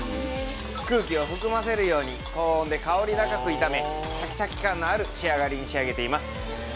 空気を含ませるように高温で香り高く炒めシャキシャキ感のある仕上がりに仕上げています